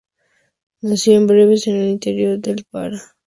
Nacido en Breves, en el interior del Pará.